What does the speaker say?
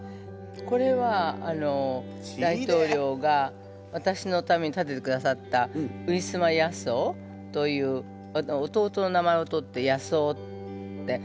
これは大統領が私のために建ててくださったウィスマ・ヤソオという弟の名前を取ってヤソオって。